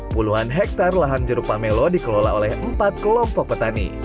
puluhan hektare lahan jeruk pamelo dikelola oleh empat kelompok petani